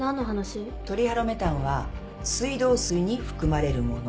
トリハロメタンは水道水に含まれるもの。